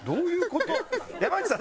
山内さん